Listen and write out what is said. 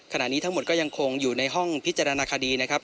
ขณะนี้ทั้งหมดก็ยังคงอยู่ในห้องพิจารณาคดีนะครับ